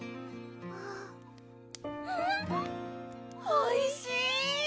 おいしい